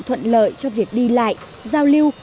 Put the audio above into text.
thuận lợi cho việc đi lại giao lưu